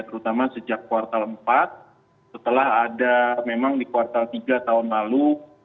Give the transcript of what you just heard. terutama sejak kuartal empat setelah ada memang di kuartal tiga tahun lalu